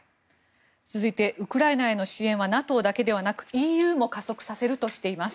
続いてウクライナへの支援はＮＡＴＯだけではなくＥＵも加速させるとしています。